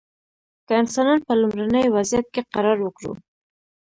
که انسانان په لومړني وضعیت کې قرار ورکړو.